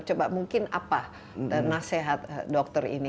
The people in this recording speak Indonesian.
coba mungkin apa nasihat dokter ini